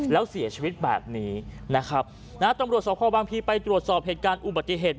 แล้วเสียชีวิตแบบนี้นะครับนะฮะตำรวจสภบางพีไปตรวจสอบเหตุการณ์อุบัติเหตุ